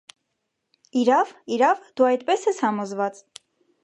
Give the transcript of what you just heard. - Իրա՞վ, իրա՞վ, դու այդպե՞ս ես համոզված: